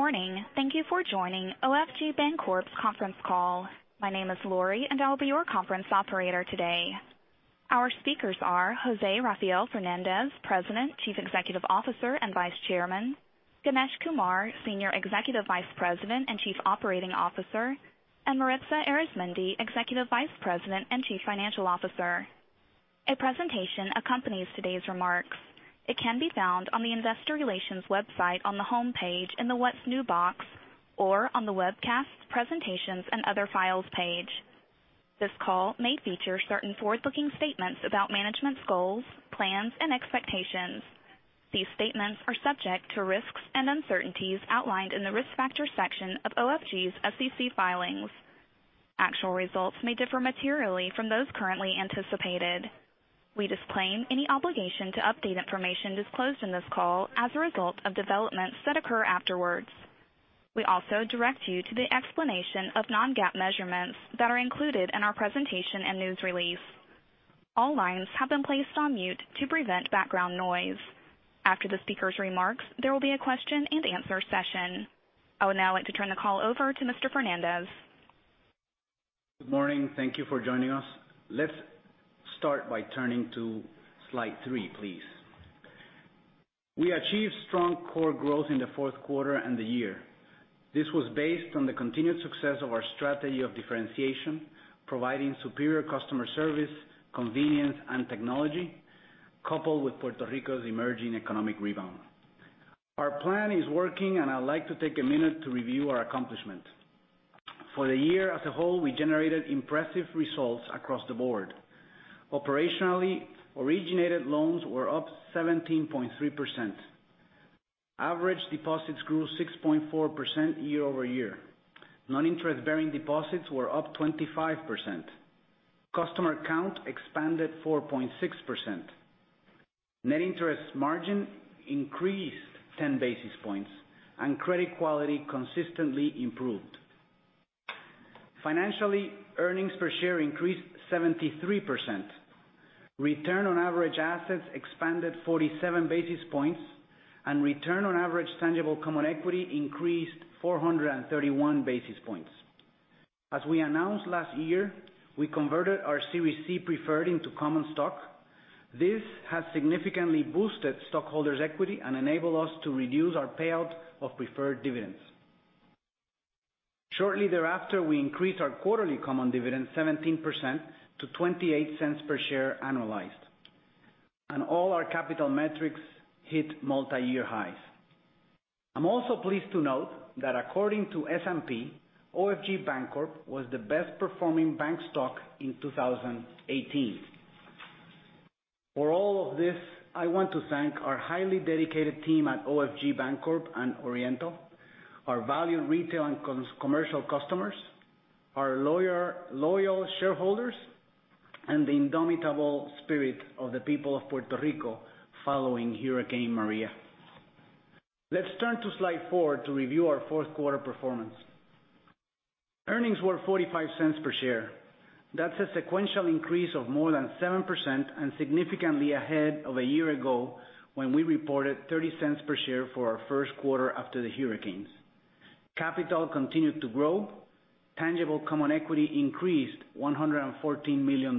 Good morning. Thank you for joining OFG Bancorp's conference call. My name is Lori, and I'll be your conference operator today. Our speakers are José Rafael Fernández, President, Chief Executive Officer, and Vice Chairman; Ganesh Kumar, Senior Executive Vice President and Chief Operating Officer; and Maritza Arizmendi, Executive Vice President and Chief Financial Officer. A presentation accompanies today's remarks. It can be found on the investor relations website on the homepage in the What's New box, or on the Webcasts, Presentations, and Other Files page. This call may feature certain forward-looking statements about management's goals, plans, and expectations. These statements are subject to risks and uncertainties outlined in the Risk Factors section of OFG's SEC filings. Actual results may differ materially from those currently anticipated. We disclaim any obligation to update information disclosed in this call as a result of developments that occur afterwards. We also direct you to the explanation of non-GAAP measurements that are included in our presentation and news release. All lines have been placed on mute to prevent background noise. After the speakers' remarks, there will be a question and answer session. I would now like to turn the call over to Mr. Fernández. Good morning. Thank you for joining us. Let's start by turning to slide three, please. We achieved strong core growth in the fourth quarter and the year. This was based on the continued success of our strategy of differentiation, providing superior customer service, convenience, and technology, coupled with Puerto Rico's emerging economic rebound. Our plan is working, and I'd like to take a minute to review our accomplishments. For the year as a whole, we generated impressive results across the board. Operationally, originated loans were up 17.3%. Average deposits grew 6.4% year-over-year. Non-interest-bearing deposits were up 25%. Customer count expanded 4.6%. Net interest margin increased 10 basis points, and credit quality consistently improved. Financially, earnings per share increased 73%. Return on average assets expanded 47 basis points, and return on average tangible common equity increased 431 basis points. As we announced last year, we converted our Series C preferred into common stock. This has significantly boosted stockholders' equity and enabled us to reduce our payout of preferred dividends. Shortly thereafter, we increased our quarterly common dividend 17% to $0.28 per share annualized, and all our capital metrics hit multi-year highs. I'm also pleased to note that according to S&P, OFG Bancorp was the best-performing bank stock in 2018. For all of this, I want to thank our highly dedicated team at OFG Bancorp and Oriental, our valued retail and commercial customers, our loyal shareholders, and the indomitable spirit of the people of Puerto Rico following Hurricane Maria. Let's turn to slide four to review our fourth-quarter performance. Earnings were $0.45 per share. That's a sequential increase of more than 7% and significantly ahead of a year ago when we reported $0.30 per share for our first quarter after the hurricanes. Capital continued to grow. Tangible common equity increased $114 million,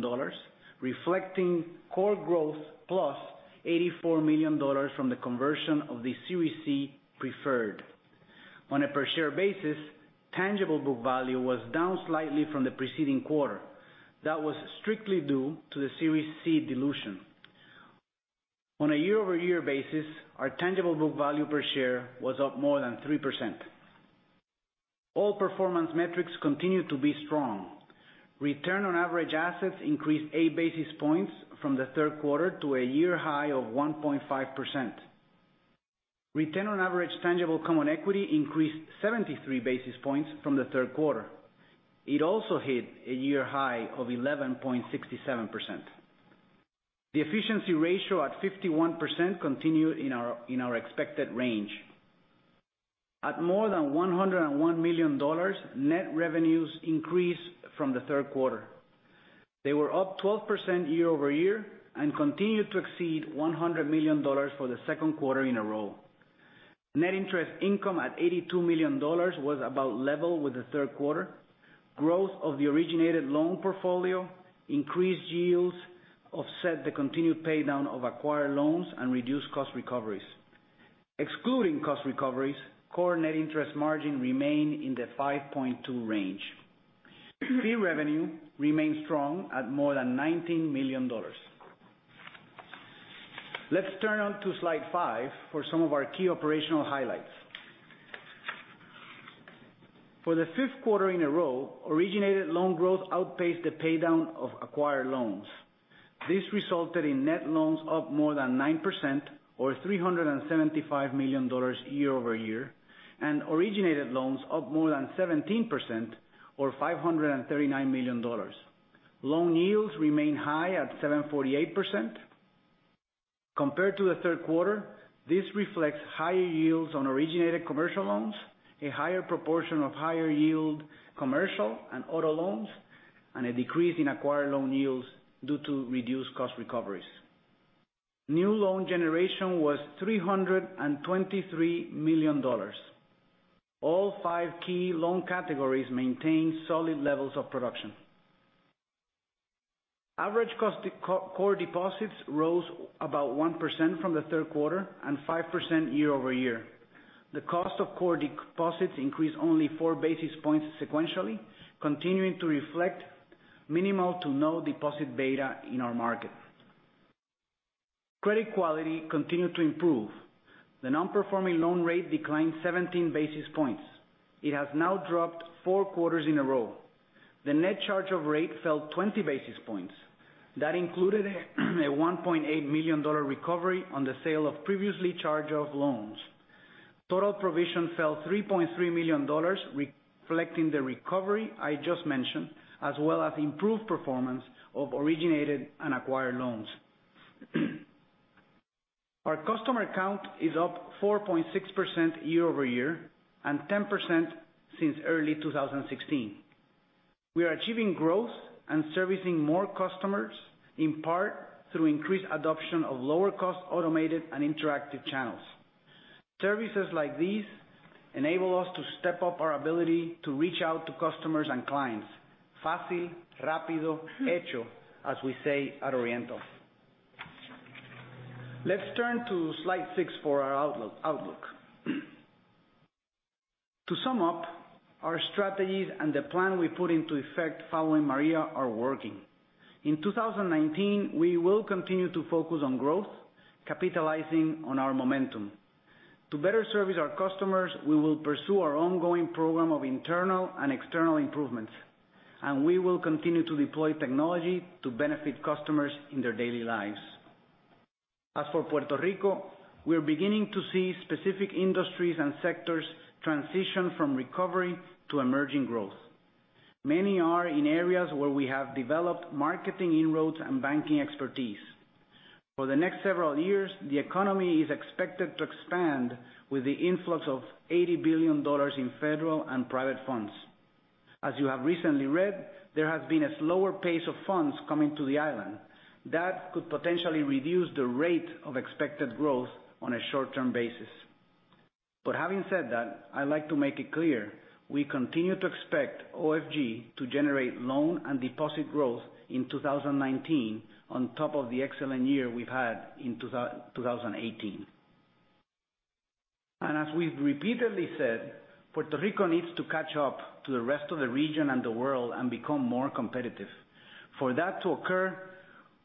reflecting core growth plus $84 million from the conversion of the Series C preferred. On a per-share basis, tangible book value was down slightly from the preceding quarter. That was strictly due to the Series C dilution. On a year-over-year basis, our tangible book value per share was up more than 3%. All performance metrics continued to be strong. Return on average assets increased 8 basis points from the third quarter to a year-high of 1.5%. Return on average tangible common equity increased 73 basis points from the third quarter. It also hit a year-high of 11.67%. The efficiency ratio at 51% continued in our expected range. At more than $101 million, net revenues increased from the third quarter. They were up 12% year-over-year and continued to exceed $100 million for the second quarter in a row. Net interest income at $82 million was about level with the third quarter. Growth of the originated loan portfolio increased yields, offset the continued paydown of acquired loans, and reduced cost recoveries. Excluding cost recoveries, core net interest margin remained in the 5.2% range. Fee revenue remained strong at more than $19 million. Let's turn on to slide five for some of our key operational highlights. For the fifth quarter in a row, originated loan growth outpaced the paydown of acquired loans. This resulted in net loans up more than 9%, or $375 million year-over-year, and originated loans up more than 17%, or $539 million. Loan yields remain high at 7.48%. Compared to the third quarter, this reflects higher yields on originated commercial loans, a higher proportion of higher yield commercial and auto loans, and a decrease in acquired loan yields due to reduced cost recoveries. New loan generation was $323 million. All 5 key loan categories maintained solid levels of production. Average cost core deposits rose about 1% from the third quarter and 5% year-over-year. The cost of core deposits increased only 4 basis points sequentially, continuing to reflect minimal to no deposit beta in our market. Credit quality continued to improve. The non-performing loan rate declined 17 basis points. It has now dropped four quarters in a row. The net charge-off rate fell 20 basis points. That included a $1.8 million recovery on the sale of previously charged-off loans. Total provision fell $3.3 million, reflecting the recovery I just mentioned, as well as improved performance of originated and acquired loans. Our customer count is up 4.6% year-over-year and 10% since early 2016. We are achieving growth and servicing more customers, in part through increased adoption of lower cost automated and interactive channels. Services like these enable us to step up our ability to reach out to customers and clients. "Fácil, rápido, hecho," as we say at Oriental. Let's turn to slide six for our outlook. To sum up, our strategies and the plan we put into effect following Maria are working. In 2019, we will continue to focus on growth, capitalizing on our momentum. To better service our customers, we will pursue our ongoing program of internal and external improvements, and we will continue to deploy technology to benefit customers in their daily lives. As for Puerto Rico, we are beginning to see specific industries and sectors transition from recovery to emerging growth. Many are in areas where we have developed marketing inroads and banking expertise. For the next several years, the economy is expected to expand with the influx of $80 billion in federal and private funds. As you have recently read, there has been a slower pace of funds coming to the island. That could potentially reduce the rate of expected growth on a short-term basis. Having said that, I'd like to make it clear, we continue to expect OFG to generate loan and deposit growth in 2019 on top of the excellent year we've had in 2018. As we've repeatedly said, Puerto Rico needs to catch up to the rest of the region and the world and become more competitive. For that to occur,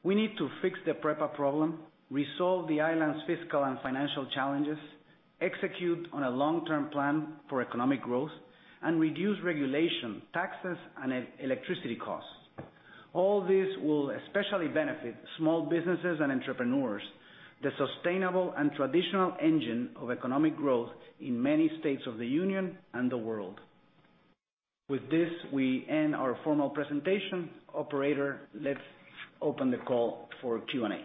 we need to fix the PREPA problem, resolve the island's fiscal and financial challenges, execute on a long-term plan for economic growth, and reduce regulation, taxes, and electricity costs. All this will especially benefit small businesses and entrepreneurs, the sustainable and traditional engine of economic growth in many states of the union and the world. With this, we end our formal presentation. Operator, let's open the call for Q&A.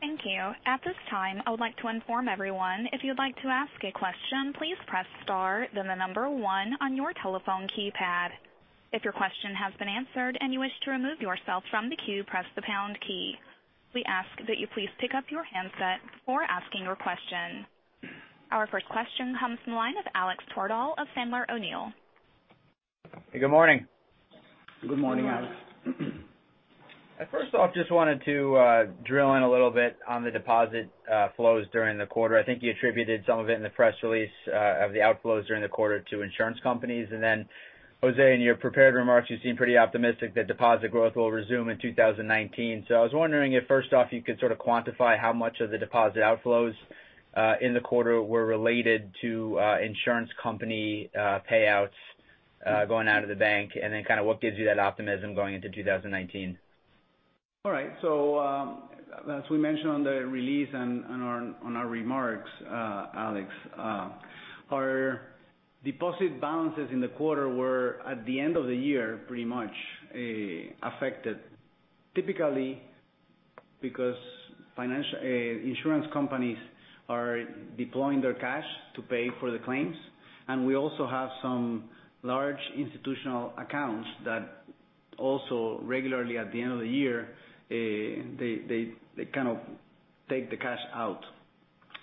Thank you. At this time, I would like to inform everyone if you'd like to ask a question, please press star then the number one on your telephone keypad. If your question has been answered and you wish to remove yourself from the queue, press the pound key. We ask that you please pick up your handset before asking your question. Our first question comes from the line of Alex Twerdahl of Sandler O'Neill. Hey, good morning. Good morning, Alex. First off, just wanted to drill in a little bit on the deposit flows during the quarter. I think you attributed some of it in the press release of the outflows during the quarter to insurance companies. José, in your prepared remarks, you seem pretty optimistic that deposit growth will resume in 2019. I was wondering if first off, you could sort of quantify how much of the deposit outflows in the quarter were related to insurance company payouts going out of the bank, and then kind of what gives you that optimism going into 2019? All right. As we mentioned on the release and on our remarks, Alex, our deposit balances in the quarter were, at the end of the year, pretty much affected. Typically because insurance companies are deploying their cash to pay for the claims, and we also have some large institutional accounts that also regularly, at the end of the year, they kind of take the cash out.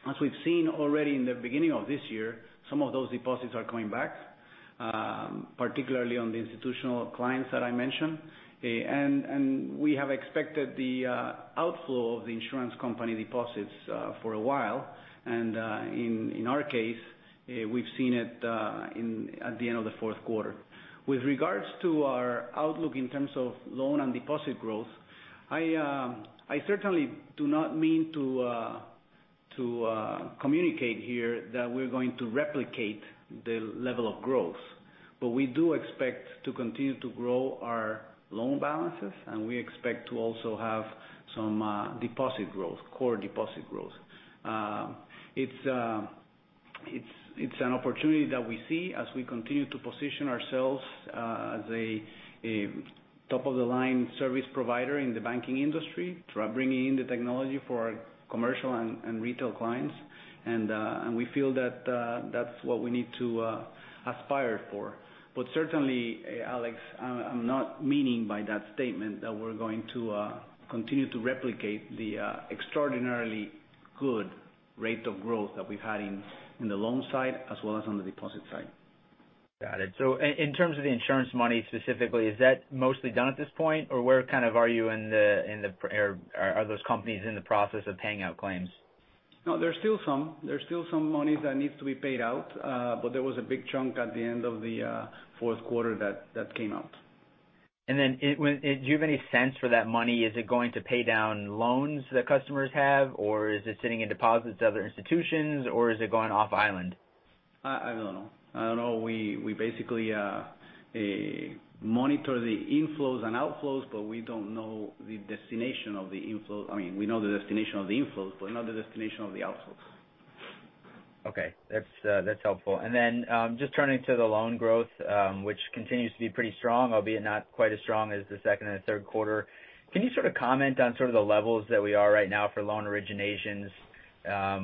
As we've seen already in the beginning of this year, some of those deposits are coming back, particularly on the institutional clients that I mentioned. We have expected the outflow of the insurance company deposits for a while. In our case, we've seen it at the end of the fourth quarter. With regards to our outlook in terms of loan and deposit growth, I certainly do not mean to communicate here that we're going to replicate the level of growth. We do expect to continue to grow our loan balances, and we expect to also have some deposit growth, core deposit growth. It's an opportunity that we see as we continue to position ourselves as a top-of-the-line service provider in the banking industry, bringing in the technology for our commercial and retail clients. We feel that's what we need to aspire for. Certainly, Alex, I'm not meaning by that statement that we're going to continue to replicate the extraordinarily good rate of growth that we've had in the loan side as well as on the deposit side. Got it. In terms of the insurance money specifically, is that mostly done at this point? Are those companies in the process of paying out claims? No, there's still some money that needs to be paid out. There was a big chunk at the end of the fourth quarter that came out. Do you have any sense for that money? Is it going to pay down loans that customers have, is it sitting in deposits at other institutions, is it going off island? I don't know. We basically monitor the inflows and outflows, we don't know the destination of the inflows. We know the destination of the inflows but not the destination of the outflows. Okay. That's helpful. Just turning to the loan growth, which continues to be pretty strong, albeit not quite as strong as the second and third quarter. Can you sort of comment on sort of the levels that we are right now for loan originations,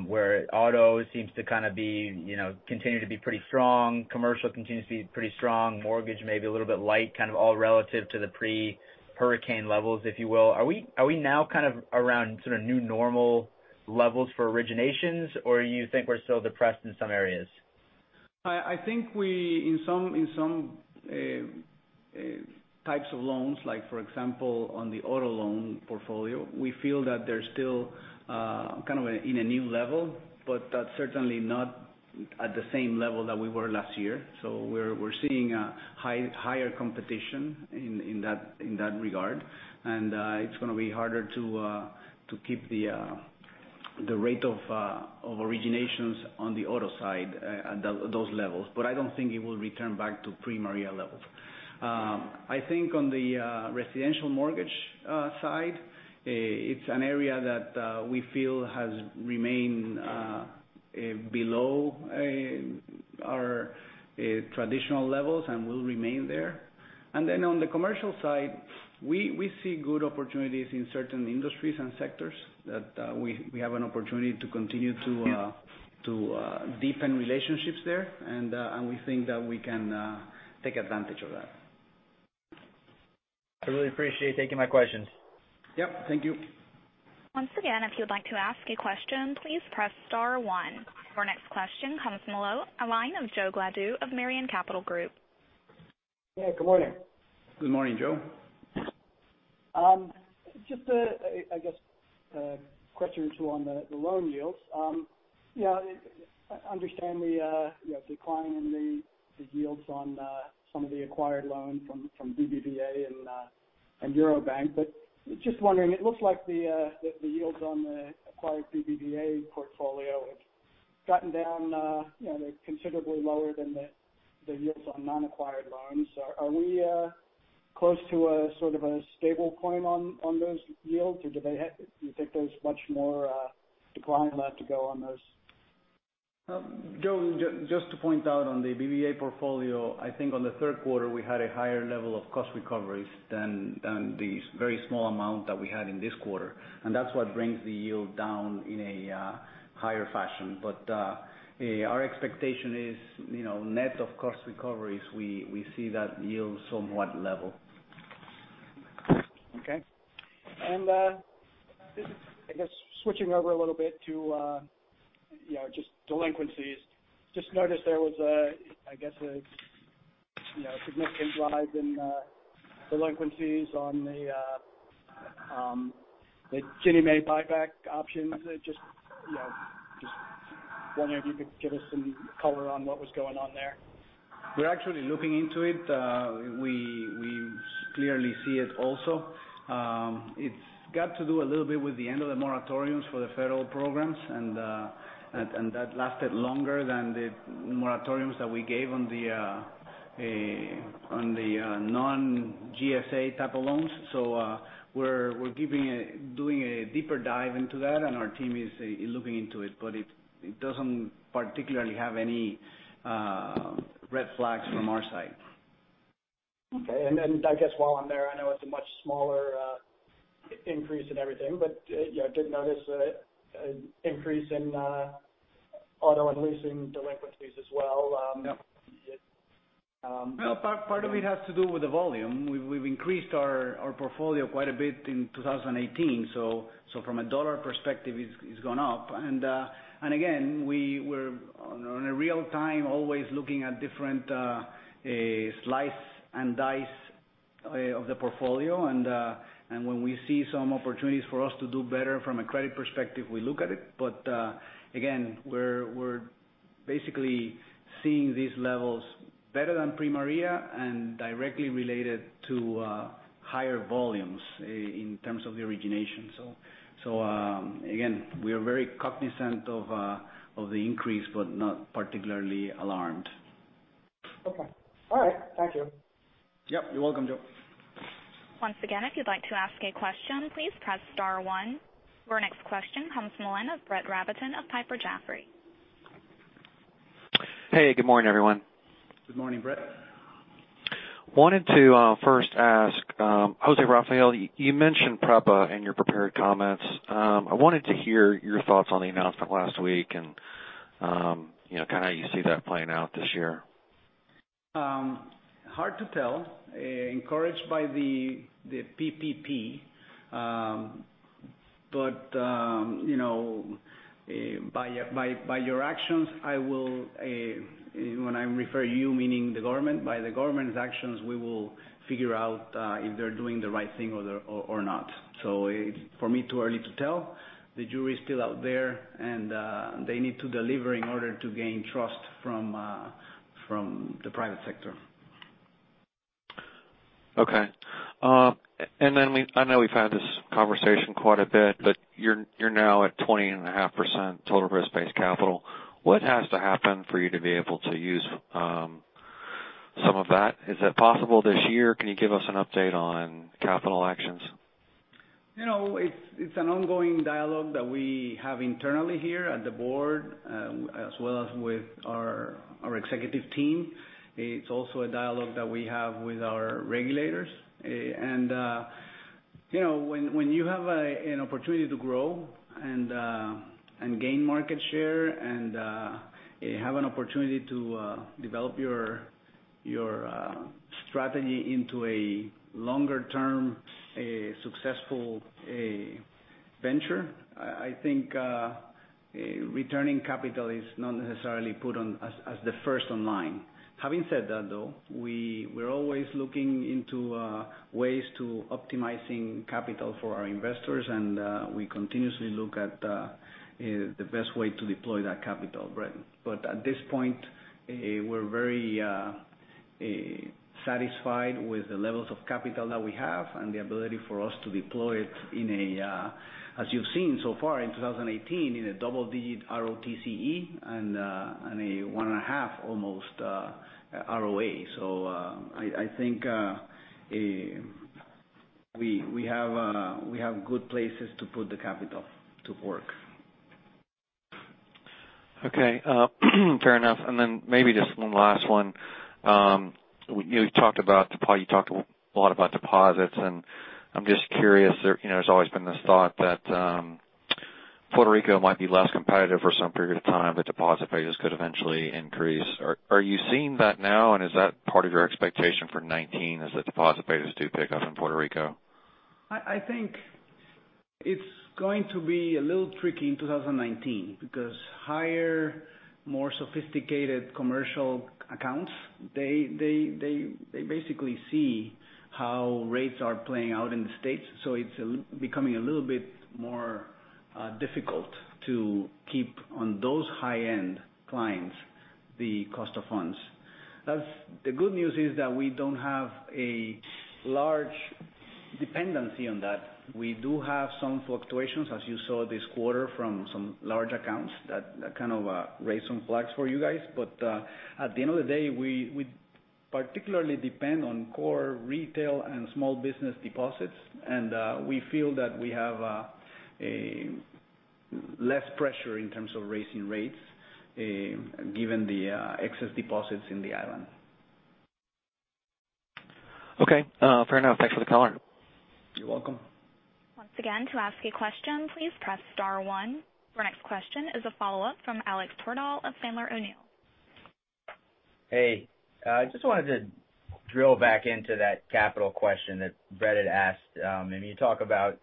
where auto seems to continue to be pretty strong, commercial continues to be pretty strong, mortgage may be a little bit light, kind of all relative to the pre-hurricane levels, if you will. Are we now kind of around sort of new normal levels for originations, or you think we're still depressed in some areas? I think we, in some types of loans, like for example, on the auto loan portfolio, we feel that they're still kind of in a new level, but certainly not at the same level that we were last year. We're seeing higher competition in that regard. It's going to be harder to keep the rate of originations on the auto side at those levels. I don't think it will return back to pre-Maria levels. I think on the residential mortgage side, it's an area that we feel has remained below our traditional levels and will remain there. On the commercial side, we see good opportunities in certain industries and sectors that we have an opportunity to continue to deepen relationships there. We think that we can take advantage of that. I really appreciate you taking my questions. Yep. Thank you. Once again, if you would like to ask a question, please press star one. Your next question comes from the line of Joe Gladue of Merion Capital Group. Yeah, good morning. Good morning, Joe. Just a question or two on the loan yields. I understand the decline in the yields on some of the acquired loans from BBVA and Eurobank. Just wondering, it looks like the yields on the acquired BBVA portfolio have gotten down considerably lower than the yields on non-acquired loans. Are we close to a sort of a stable point on those yields, or do you think there's much more decline left to go on those? Joe, just to point out on the BBVA portfolio, I think on the third quarter, we had a higher level of cost recoveries than the very small amount that we had in this quarter. That's what brings the yield down in a higher fashion. Our expectation is net of cost recoveries, we see that yield somewhat level. Okay. Just I guess switching over a little bit to just delinquencies. Just noticed there was, I guess a significant rise in delinquencies on the Ginnie Mae buyback options. Just wondering if you could give us some color on what was going on there. We're actually looking into it. We clearly see it also. It's got to do a little bit with the end of the moratoriums for the federal programs. That lasted longer than the moratoriums that we gave on the non-GSE type of loans. We're doing a deeper dive into that, and our team is looking into it, but it doesn't particularly have any red flags from our side. Okay, I guess while I'm there, I know it's a much smaller increase in everything, but I did notice an increase in auto and leasing delinquencies as well. Yeah. Part of it has to do with the volume. We've increased our portfolio quite a bit in 2018. From a dollar perspective, it's gone up. Again, we're in real time always looking at different slice and dice of the portfolio. When we see some opportunities for us to do better from a credit perspective, we look at it. Again, we're basically seeing these levels better than pre-Maria and directly related to higher volumes in terms of the origination. Again, we are very cognizant of the increase, but not particularly alarmed. Okay. All right. Thank you. Yep, you're welcome, Joe. Once again, if you'd like to ask a question, please press star one. Your next question comes from the line of Brett Rabatin of Piper Jaffray. Hey, good morning, everyone. Good morning, Brett. Wanted to first ask José Rafael, you mentioned PREPA in your prepared comments. I wanted to hear your thoughts on the announcement last week and kind of how you see that playing out this year. Hard to tell. Encouraged by the PPP, but by your actions, when I refer you, meaning the government, by the government's actions, we will figure out if they're doing the right thing or not. For me, too early to tell. The jury is still out there, and they need to deliver in order to gain trust from the private sector. Okay. I know we've had this conversation quite a bit, but you're now at 20.5% total risk-based capital. What has to happen for you to be able to use some of that? Is that possible this year? Can you give us an update on capital actions? It's an ongoing dialogue that we have internally here at the board, as well as with our executive team. It's also a dialogue that we have with our regulators. When you have an opportunity to grow and gain market share and have an opportunity to develop your strategy into a longer-term, successful venture, I think returning capital is not necessarily put on as the first in line . Having said that, though, we're always looking into ways to optimizing capital for our investors, and we continuously look at the best way to deploy that capital, Brett. At this point, we're very satisfied with the levels of capital that we have and the ability for us to deploy it in a, as you've seen so far in 2018, in a double-digit ROTCE and a one and a half almost ROA. I think we have good places to put the capital to work. Okay. Fair enough. Maybe just one last one. You talked a lot about deposits, and I'm just curious. There's always been this thought that Puerto Rico might be less competitive for some period of time, deposit rates could eventually increase. Are you seeing that now? Is that part of your expectation for 2019 as the deposit rates do pick up in Puerto Rico? I think it's going to be a little tricky in 2019 because higher, more sophisticated commercial accounts, they basically see how rates are playing out in the States. It's becoming a little bit more difficult to keep on those high-end clients, the cost of funds. The good news is that we don't have a large dependency on that. We do have some fluctuations, as you saw this quarter from some large accounts that kind of raised some flags for you guys. At the end of the day, we particularly depend on core retail and small business deposits. We feel that we have less pressure in terms of raising rates given the excess deposits in the Island. Okay. Fair enough. Thanks for the color. You're welcome. Once again, to ask a question, please press star one. Our next question is a follow-up from Alex Twerdahl of Sandler O'Neill & Partners. I just wanted to drill back into that capital question that Brett had asked. I mean, you talk about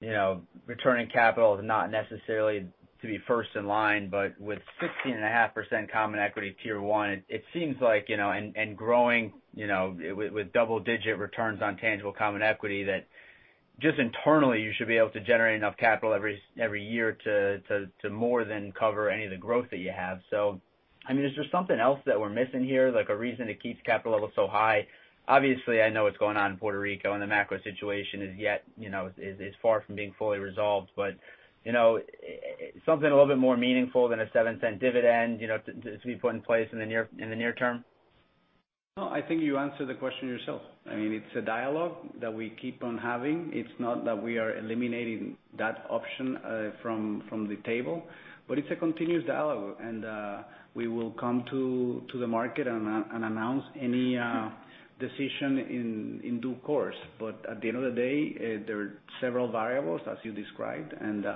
returning capital is not necessarily to be first in line, but with 16.5% common equity tier 1, it seems like, and growing with double-digit returns on tangible common equity, that just internally, you should be able to generate enough capital every year to more than cover any of the growth that you have. I mean, is there something else that we're missing here, like a reason to keep capital levels so high? Obviously, I know what's going on in Puerto Rico and the macro situation is far from being fully resolved, but something a little bit more meaningful than a $0.07 dividend to be put in place in the near term. I think you answered the question yourself. I mean, it's a dialogue that we keep on having. It's not that we are eliminating that option from the table, but it's a continuous dialogue, and we will come to the market and announce any decision in due course. At the end of the day, there are several variables as you described, and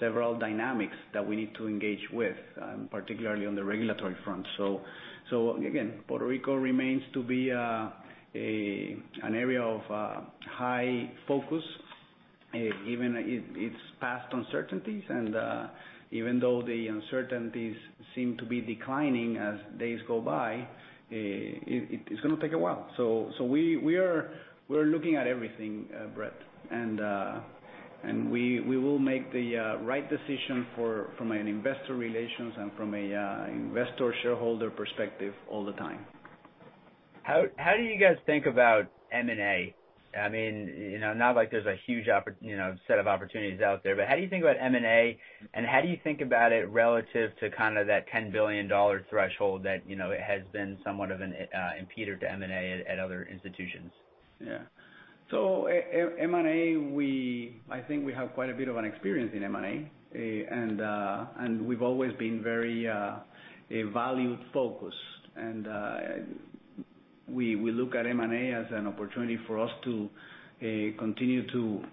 several dynamics that we need to engage with, particularly on the regulatory front. Again, Puerto Rico remains to be an area of high focus, given its past uncertainties. Even though the uncertainties seem to be declining as days go by, it's going to take a while. We're looking at everything, Brett, and we will make the right decision from an investor relations and from an investor shareholder perspective all the time. How do you guys think about M&A? I mean, not like there's a huge set of opportunities out there, but how do you think about M&A, and how do you think about it relative to that $10 billion threshold that it has been somewhat of an impeder to M&A at other institutions? M&A, I think we have quite a bit of an experience in M&A, and we've always been very value-focused. We look at M&A as an opportunity for us to continue to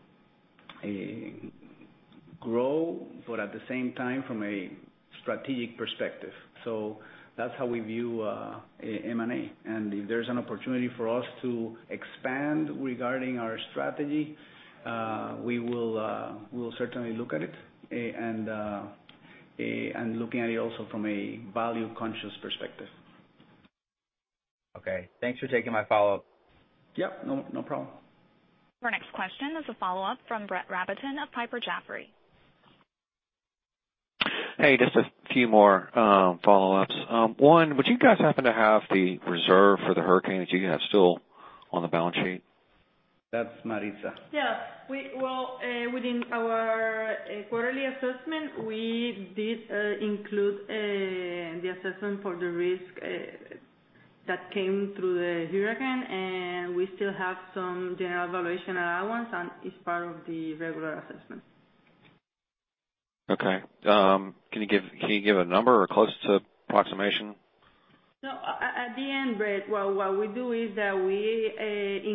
grow, but at the same time, from a strategic perspective. That's how we view M&A. If there's an opportunity for us to expand regarding our strategy, we'll certainly look at it, and looking at it also from a value-conscious perspective. Okay. Thanks for taking my follow-up. Yep. No problem. Our next question is a follow-up from Brett Rabatin of Piper Jaffray. Hey, just a few more follow-ups. One, would you guys happen to have the reserve for the hurricane that you have still on the balance sheet? That's Maritza. Yeah. Within our quarterly assessment, we did include the assessment for the risk that came through the hurricane. We still have some general valuation allowance. It's part of the regular assessment. Okay. Can you give a number or close to approximation? No. At the end, Brett, what we do is that we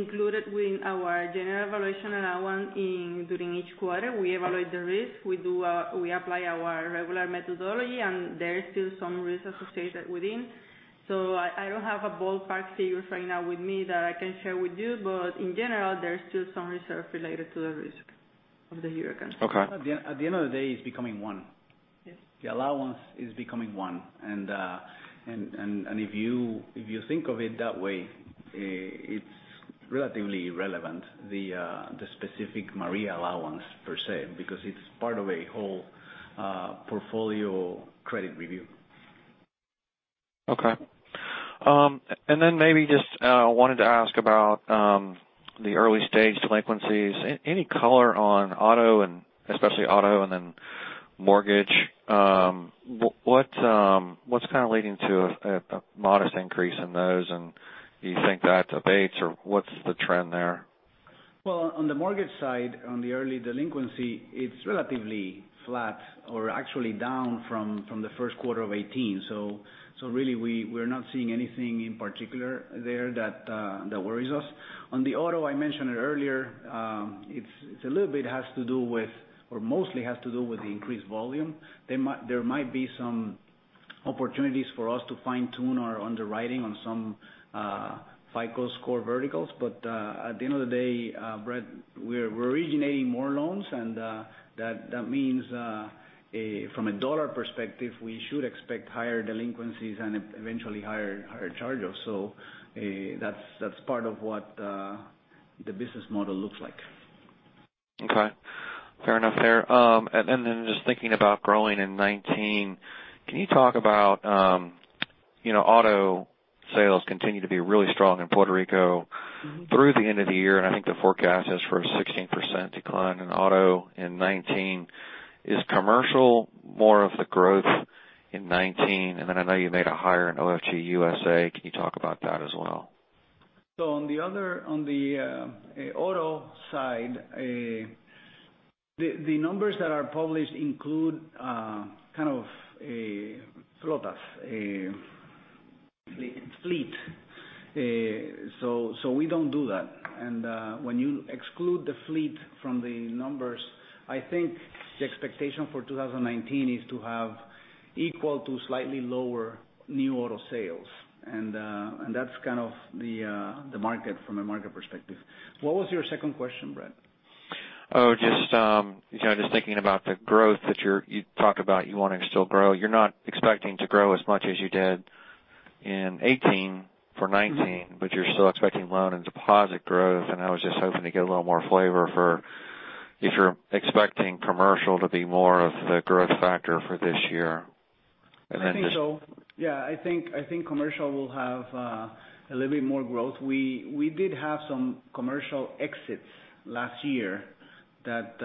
include it within our general evaluation allowance during each quarter. We evaluate the risk. We apply our regular methodology. There is still some risk associated within. I don't have a ballpark figure right now with me that I can share with you. In general, there's still some reserve related to the risk of the hurricane. Okay. At the end of the day, it's becoming one. Yes. The allowance is becoming one. If you think of it that way, it's relatively irrelevant, the specific Hurricane Maria allowance per se, because it's part of a whole portfolio credit review. Okay. Maybe just wanted to ask about the early-stage delinquencies. Any color on auto and, especially auto, and then mortgage. What's kind of leading to a modest increase in those, and do you think that abates or what's the trend there? Well, on the mortgage side, on the early delinquency, it's relatively flat or actually down from the first quarter of 2018. Really we're not seeing anything in particular there that worries us. On the auto, I mentioned it earlier, it mostly has to do with the increased volume. There might be some opportunities for us to fine-tune our underwriting on some FICO score verticals. At the end of the day, Brett, we're originating more loans, and that means from a dollar perspective, we should expect higher delinquencies and eventually higher charge-offs. That's part of what the business model looks like. Okay. Fair enough there. Just thinking about growing in 2019, can you talk about auto sales continue to be really strong in Puerto Rico through the end of the year, I think the forecast is for a 16% decline in auto in 2019. Is commercial more of the growth in 2019? I know you made a hire in OFG USA. Can you talk about that as well? On the auto side, the numbers that are published include kind of a fleet. We don't do that. When you exclude the fleet from the numbers, I think the expectation for 2019 is to have equal to slightly lower new auto sales. That's kind of the market from a market perspective. What was your second question, Brett? Just thinking about the growth that you talk about you wanting to still grow. You're not expecting to grow as much as you did in 2018 for 2019, but you're still expecting loan and deposit growth. I was just hoping to get a little more flavor for if you're expecting commercial to be more of the growth factor for this year. I think so. I think commercial will have a little bit more growth. We did have some commercial exits last year that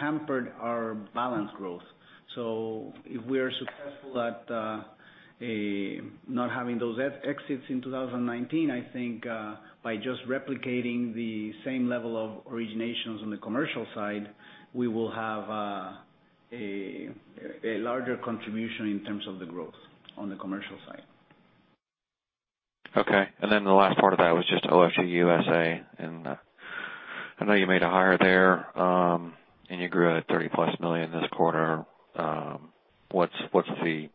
hampered our balance growth. If we are successful at not having those exits in 2019, I think by just replicating the same level of originations on the commercial side, we will have a larger contribution in terms of the growth on the commercial side. Okay. Then the last part of that was just OFG USA, I know you made a hire there, you grew at $30-plus million this quarter. What's the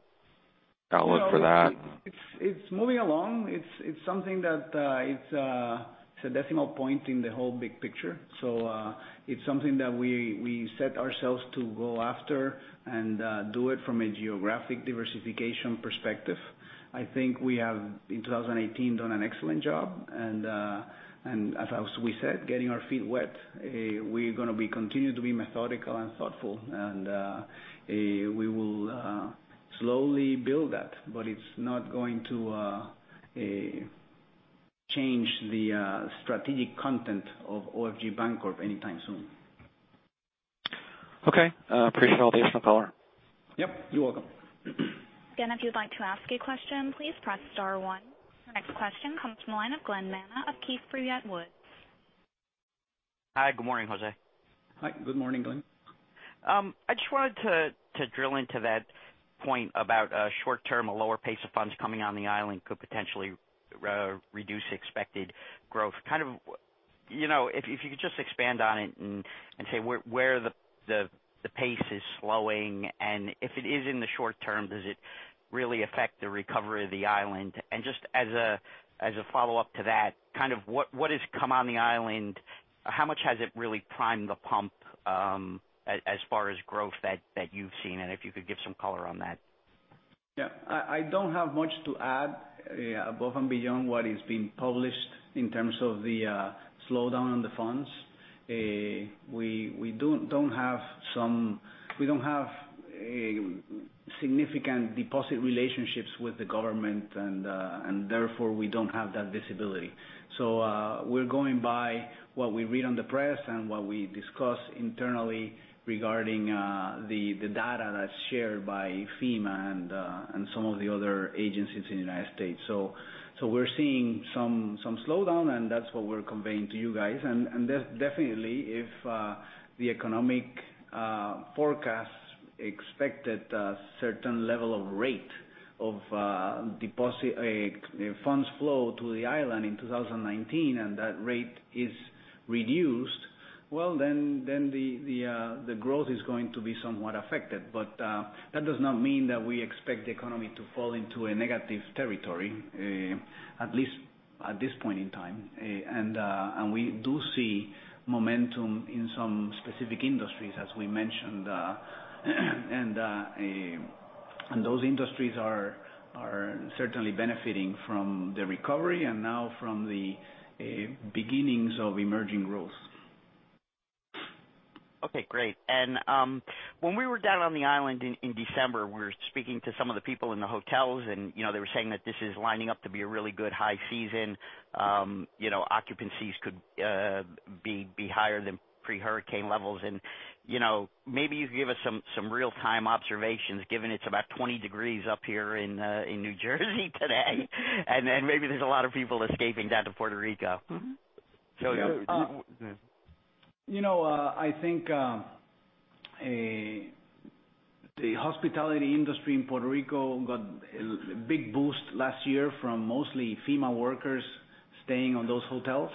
outlook for that? It's moving along. It's a decimal point in the whole big picture. It's something that we set ourselves to go after and do it from a geographic diversification perspective. I think we have, in 2018, done an excellent job and as we said, getting our feet wet. We're going to be continuing to be methodical and thoughtful and we will slowly build that. It's not going to change the strategic content of OFG Bancorp anytime soon. Okay. Appreciate all the additional color. Yep, you're welcome. Again, if you'd like to ask a question, please press star one. The next question comes from the line of Glen Manna of Keefe, Bruyette & Woods. Hi. Good morning, José. Hi. Good morning, Glen. I just wanted to drill into that point about short-term, a lower pace of funds coming on the island could potentially reduce expected growth. If you could just expand on it and say where the pace is slowing in, and if it is in the short-term, does it really affect the recovery of the island? Just as a follow-up to that, what has come on the island? How much has it really primed the pump, as far as growth that you've seen, and if you could give some color on that. Yeah. I don't have much to add above and beyond what is being published in terms of the slowdown on the funds. We don't have significant deposit relationships with the government, and therefore, we don't have that visibility. We're going by what we read on the press and what we discuss internally regarding the data that's shared by FEMA and some of the other agencies in the U.S. We're seeing some slowdown, and that's what we're conveying to you guys. Definitely, if the economic forecasts expected a certain level of rate of funds flow to the island in 2019, and that rate is reduced, well, then the growth is going to be somewhat affected. That does not mean that we expect the economy to fall into a negative territory, at least at this point in time. We do see momentum in some specific industries, as we mentioned. Those industries are certainly benefiting from the recovery and now from the beginnings of emerging growth. Okay, great. When we were down on the island in December, we were speaking to some of the people in the hotels, and they were saying that this is lining up to be a really good high season. Occupancies could be higher than pre-hurricane levels. Maybe you could give us some real-time observations, given it's about 20 degrees up here in New Jersey today, and maybe there's a lot of people escaping down to Puerto Rico. You know, I think the hospitality industry in Puerto Rico got a big boost last year from mostly FEMA workers staying on those hotels.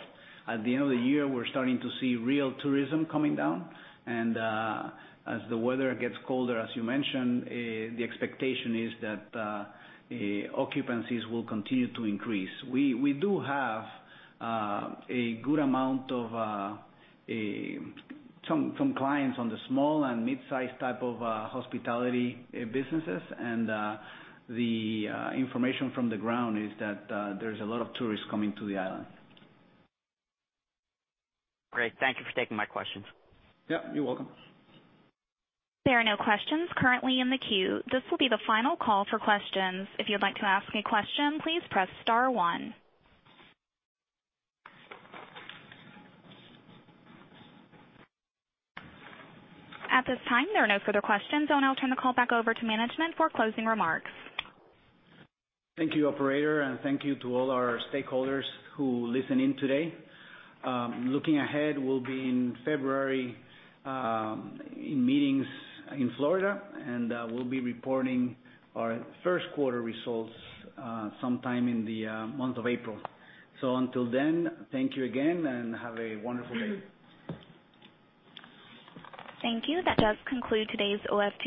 At the end of the year, we're starting to see real tourism coming down. As the weather gets colder, as you mentioned, the expectation is that occupancies will continue to increase. We do have a good amount of some clients on the small and mid-size type of hospitality businesses. The information from the ground is that there's a lot of tourists coming to the island. Great. Thank you for taking my questions. Yeah, you're welcome. There are no questions currently in the queue. This will be the final call for questions. If you'd like to ask a question, please press star one. At this time, there are no further questions. I'll now turn the call back over to management for closing remarks. Thank you, operator, and thank you to all our stakeholders who listened in today. Looking ahead, we'll be in February in meetings in Florida, and we'll be reporting our first quarter results sometime in the month of April. Until then, thank you again, and have a wonderful day. Thank you. That does conclude today's OFG